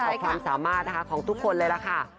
ความสามารถนะคะของทุกคนเลยล่ะค่ะ